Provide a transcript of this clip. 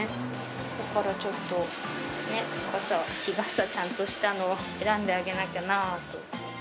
だからちょっと、傘、ちゃんとした日傘を選んであげなきゃなと。